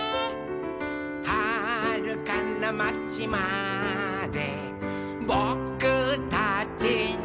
「はるかなまちまでぼくたちの」